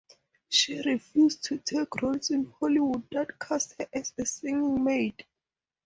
She refused to take roles in Hollywood that cast her as a "singing maid".